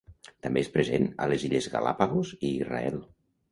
També és present a les Illes Galápagos i Israel.